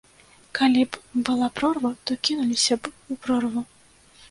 Калі б была прорва, то кінуліся б у прорву.